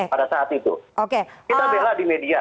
pada saat itu kita bela di media